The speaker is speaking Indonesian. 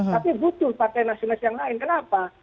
tapi butuh partai nasionalis yang lain kenapa